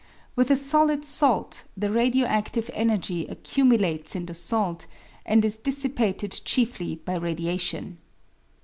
With a solid salt the radio adive energy accumulates in the salt, and is dissipated chiefly by radiation.